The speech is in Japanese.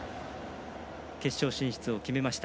決勝進出を決めました。